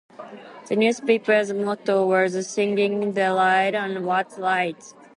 The newspaper's motto was Shining the Light on What's Right.